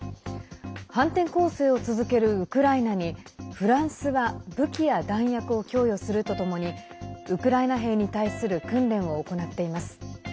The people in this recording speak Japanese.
反転攻勢を続けるウクライナにフランスは武器や弾薬を供与するとともにウクライナ兵に対する訓練を行っています。